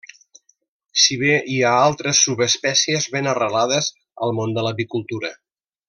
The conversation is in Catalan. Si bé hi ha altres subespècies ben arrelades al món de l'avicultura.